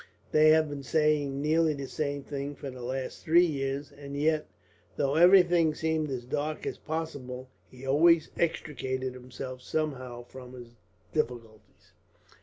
They have been saying nearly the same thing for the last three years; and yet, though everything seemed as dark as possible, he always extricated himself somehow from his difficulties.